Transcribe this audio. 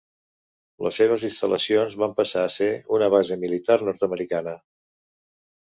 Les seves instal·lacions van passar a ser una base militar nord-americana.